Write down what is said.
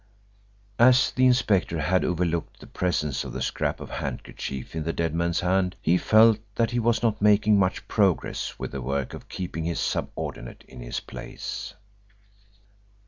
As the inspector had overlooked the presence of the scrap of handkerchief in the dead man's hand, he felt that he was not making much progress with the work of keeping his subordinate in his place.